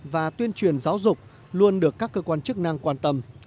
và tuyên truyền giáo dục luôn được các cơ quan chức năng quan tâm